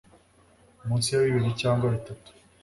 munsi ya bibiri cyangwa bitatu